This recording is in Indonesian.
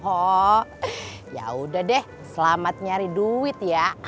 oh ya udah deh selamat nyari duit ya